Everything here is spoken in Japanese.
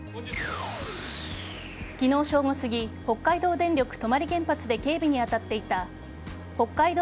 昨日正午すぎ北海道電力泊原発で警備に当たっていた北海道